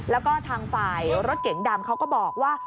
แล้วก็ทางฝ่ายรถเก๋งดำเขาก็บอกว่า